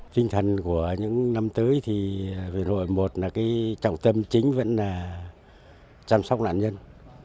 tinh thần của những năm tới thì về nội một là trọng tâm chính vẫn là chăm sóc nạn nhân